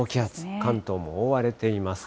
関東も覆われています。